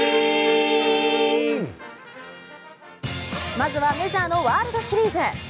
まずはメジャーのワールドシリーズ。